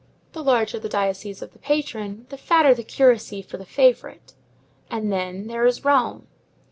The larger the diocese of the patron, the fatter the curacy for the favorite. And then, there is Rome.